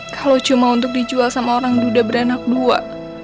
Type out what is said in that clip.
kalau cuma untuk dijual sama orang duda beranak dua